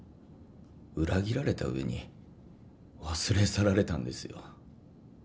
裏切られた上に忘れ去られたんですよ。